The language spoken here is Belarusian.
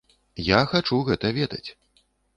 Я хачу гэта ведаць.